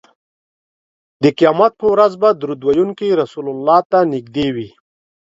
د قیامت په ورځ به درود ویونکی رسول الله ته نږدې وي